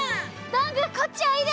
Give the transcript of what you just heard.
どんぐーこっちおいで！